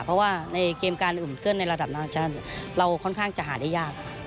เพราะว่าในเกมการอื่นเกิ้ลในระดับนานาชาติเราค่อนข้างจะหาได้ยาก